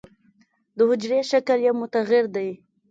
د حجرې شکل یې متغیر دی.